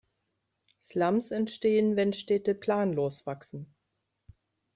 Slums entstehen, wenn Städte planlos wachsen.